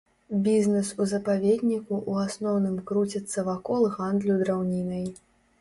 Бізнес у запаведніку ў асноўным круціцца вакол гандлю драўнінай.